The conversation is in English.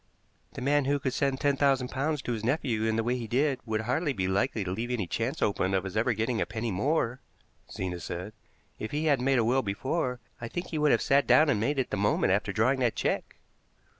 "The man who could send ten thousand pounds to his nephew in the way he did would hardly be likely to leave any chance open of his ever getting a penny more," Zena said. "If he hadn't made a will before, I think he would have sat down and made it the moment after drawing that check."